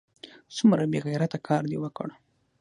څومره بې غیرته کار دې وکړ!